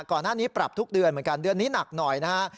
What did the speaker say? ปรับทุกเดือนเหมือนกันเดือนนี้หนักหน่อยนะฮะ